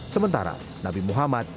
sementara nabi muhammad